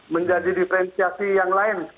menjadi diferensiasi yang lain